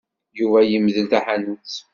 Yuba yemdel taḥanut.